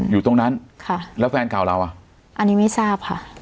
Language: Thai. อยู่ตรงนั้นค่ะแล้วแฟนเก่าเราอ่ะอันนี้ไม่ทราบค่ะ